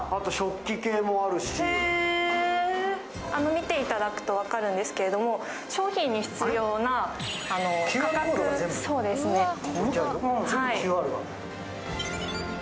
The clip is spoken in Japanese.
見ていただくと分かるんですけど、商品に必要なものが。